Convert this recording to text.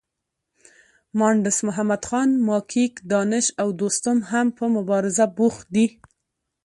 مانډس محمدخان، ماکیک، دانش او دوستم هم په مبارزه بوخت دي.